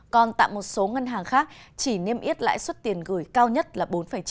còn tạm một số ngân hàng khác chỉ niêm yết loại suất tiền gửi cao nhất là bốn chín